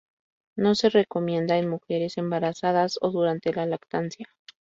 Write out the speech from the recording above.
No se recomienda en mujeres embarazadas o durante la lactancia